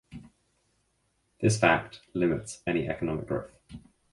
This fact limits any economic growth.